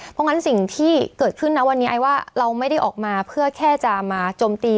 เพราะงั้นสิ่งที่เกิดขึ้นนะวันนี้ไอ้ว่าเราไม่ได้ออกมาเพื่อแค่จะมาจมตี